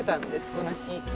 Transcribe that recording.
この地域。